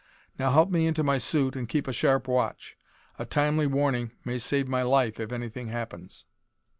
Now help me into my suit and keep a sharp watch. A timely warning may save my life if anything happens."